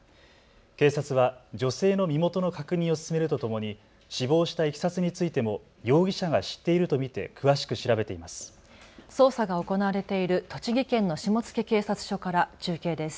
警察は女性の身元の確認を進めるとともに死亡したいきさつについても容疑者が知っていると見て詳しく調べています。